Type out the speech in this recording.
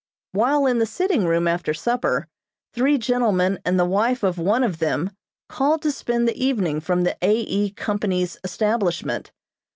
While in the sitting room after supper three gentlemen and the wife of one of them called to spend the evening from the A. E. Company's establishment.